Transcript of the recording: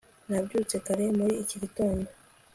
Nabyutse kare muri iki gitondo